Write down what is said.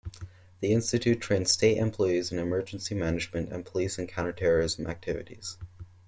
The institute trained state employees in emergency management and police in counter-terrorism activities.